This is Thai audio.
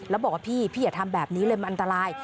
แล้วบอกว่าพี่พี่อย่าทำแบบนี้เลยมันอันตราย